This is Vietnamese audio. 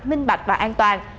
minh bạch và an toàn